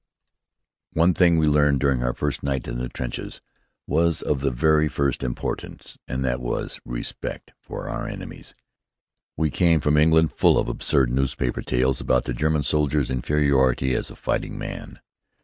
One thing we learned during our first night in the trenches was of the very first importance. And that was, respect for our enemies. We came from England full of absurd newspaper tales about the German soldier's inferiority as a fighting man.